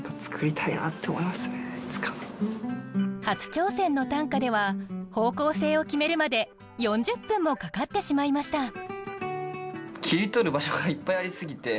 初挑戦の短歌では方向性を決めるまで４０分もかかってしまいました。